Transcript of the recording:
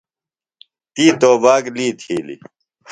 تی توباک لی تِھیلیۡ۔